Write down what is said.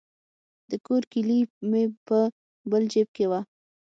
د کور کیلي مې په بل جیب کې وه.